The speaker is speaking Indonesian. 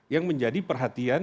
yang menjadi perhatian